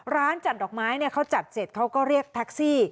ร้านจัดดอกไม้เขาจัดเสร็จเขาก็เรียกแท็กซี่